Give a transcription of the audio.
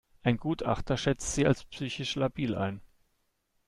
Ein Gutachter schätzt sie als psychisch labil ein.